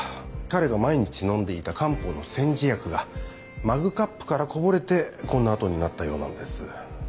彼が毎日飲んでいた漢方の煎じ薬がマグカップからこぼれてこんな跡になったようなんです。